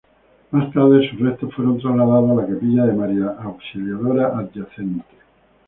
Más tarde, sus restos fueron trasladados a la capilla de María Auxiliadora adyacente.